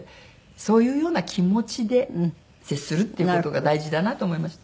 そういうような気持ちで接するっていう事が大事だなと思いました。